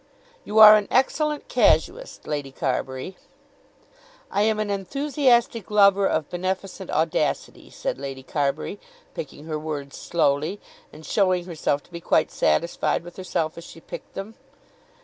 "You are an excellent casuist, Lady Carbury." "I am an enthusiastic lover of beneficent audacity," said Lady Carbury, picking her words slowly, and showing herself to be quite satisfied with herself as she picked them.